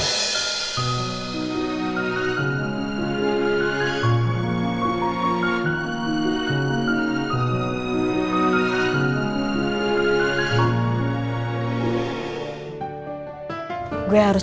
jangan liat email nya gue bakal diterima